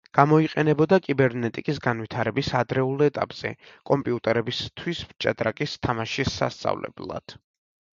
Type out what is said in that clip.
გამოიყენებოდა კიბერნეტიკის განვითარების ადრეულ ეტაპზე კომპიუტერებისთვის ჭადრაკის თამაშის სასწავლებლად.